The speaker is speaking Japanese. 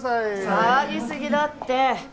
騒ぎすぎだって。